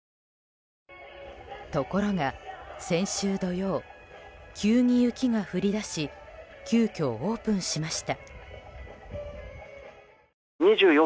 ところが先週土曜急に雪が降り出し急きょオープンしました。